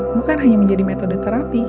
bukan hanya menjadi metode terapi